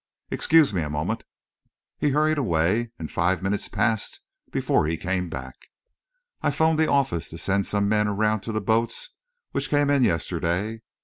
Excuse me a moment." He hurried away, and five minutes passed before he came back. "I 'phoned the office to send some men around to the boats which came in yesterday.